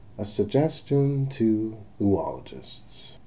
A SUGGESTION TO OOLOGISTS.